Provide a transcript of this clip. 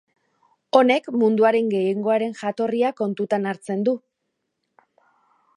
Honek, munduaren gehiengoaren jatorria kontutan hartzen du.